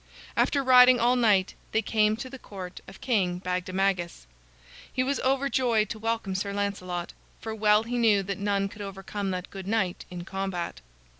After riding all night, they came to the court of King Bagdemagus. He was overjoyed to welcome Sir Lancelot, for well he knew that none could overcome that good knight in combat.